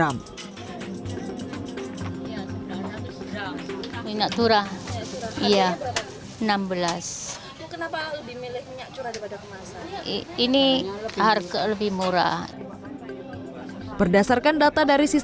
sementara untuk harga jual minyak curah di pedagang pasar